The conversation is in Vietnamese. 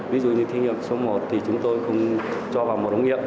ví dụ như thiết nghiệm số một thì chúng tôi không cho vào một ống nghiệp